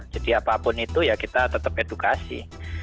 jadi apapun itu ya kita tetap edukasi